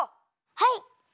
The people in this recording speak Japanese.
はい！